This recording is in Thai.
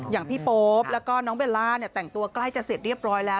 อย่างพี่โป๊ปแล้วก็น้องเบลล่าเนี่ยแต่งตัวใกล้จะเสร็จเรียบร้อยแล้ว